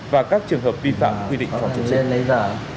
và các trường hợp vi phạm quy định phòng chống dịch